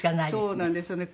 そうなんですよね。